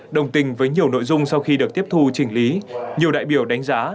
đồng tình với nhiều nội dung sau khi được tiếp thu chỉnh lý nhiều đại biểu đánh giá